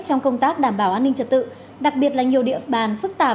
trong công tác đảm bảo an ninh trật tự đặc biệt là nhiều địa bàn phức tạp